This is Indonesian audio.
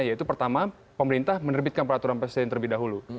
yaitu pertama pemerintah menerbitkan peraturan presiden terlebih dahulu